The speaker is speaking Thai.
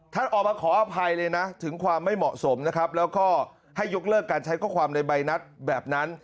ท่านออกมาขออภัยเลยนะถึงความไม่เหมาะสมนะครับแล้วก็ให้ยกเลิกการใช้ข้อความในใบนัดแบบนั้น